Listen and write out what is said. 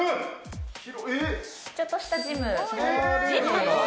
ちょっとしたジム。